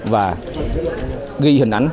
và ghi hình ảnh